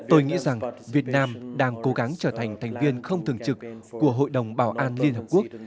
tôi nghĩ rằng việt nam đang cố gắng trở thành thành viên không thường trực của hội đồng bảo an liên hợp quốc